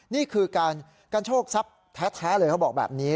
นี่คือการกันโชคทรัพย์แท้เลยเขาบอกแบบนี้